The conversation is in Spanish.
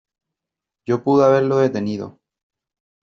Yo pude haberlo detenido .